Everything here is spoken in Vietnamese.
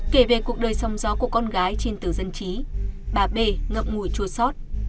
kể về cuộc đời sóng gió của con gái trên tử dân trí bà b ngậm ngùi chua sót